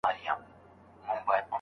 مات به د پانوس کړو نامحرمه دوږخي سکوت